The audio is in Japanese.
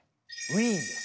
ウィーン。